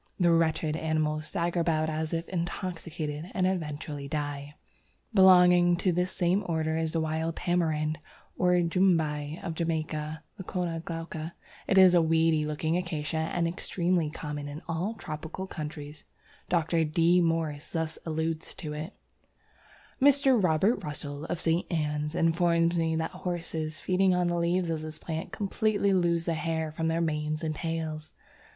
The wretched animals stagger about as if intoxicated, and eventually die. Belonging to this same order is the Wild Tamarind, or Jumbai, of Jamaica (Leucæna glauca). It is a weedy looking acacia, and extremely common in all tropical countries. Dr. D. Morris thus alludes to it: British Association, Liverpool, 1896, Section K. "Mr. Robert Russell, of St. Ann's, informs me that horses feeding on the leaves of this plant completely lose the hair from their manes and tails.